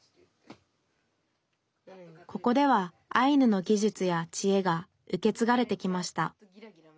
ここではアイヌの技術やちえが受け継がれてきました。